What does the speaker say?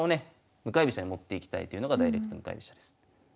向かい飛車に持っていきたいというのがダイレクト向かい飛車です。